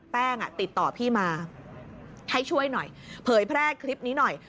ติดต่อพี่มาให้ช่วยหน่อยเผยแพร่คลิปนี้หน่อย